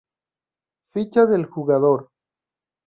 Ficha del Jugador